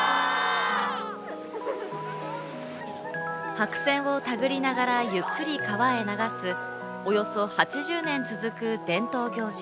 白線をたぐりながら、ゆっくり川へ流す、およそ８０年続く伝統行事